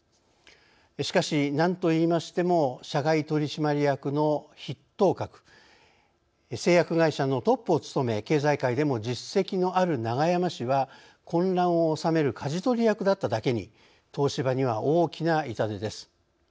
しかし何と言いましても社外取締役の筆頭格製薬会社のトップを務め経済界でも実績のある永山氏は混乱を収めるかじ取り役だっただけに東芝には大きな痛手です。